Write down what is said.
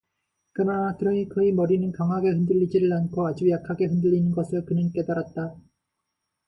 그러나 그의 머리는 강하게 흔들리지를 않고 아주 약하게 흔들리는 것을 그는 깨달았다.